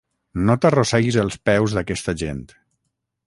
No t'arrosseguis als peus d'aquesta gent.